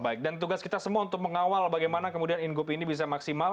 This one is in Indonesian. baik dan tugas kita semua untuk mengawal bagaimana kemudian inggup ini bisa maksimal